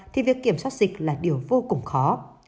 thì việc kiểm soát dịch là điều vô cùng khó